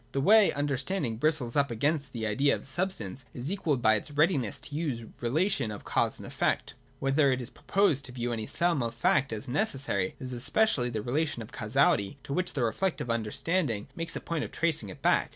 The way understanding bristles up against the idea of substance is equalled by its readiness to use the re lation of cause and effect. Whenever it is proposed to view any sum of fact as necessary, it is especially the relation of causality to which the reflective understand ing makes a point of tracing it back.